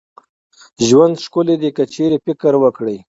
ژوند ښکلې دي که چيري فکر وکړو